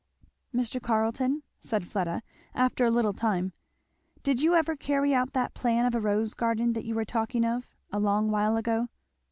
"Mr. Carleton," said Fleda after a little time, "did you ever carry out that plan of a rose garden that you were talking of a long while ago?"